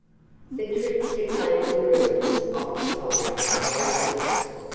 The trip to the Clayton ruins occupied a whole day.